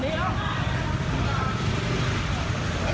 นึกออกไม๊